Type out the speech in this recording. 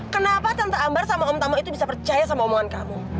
kenapa tante ambar sama om tamu itu bisa percaya sama omongan kamu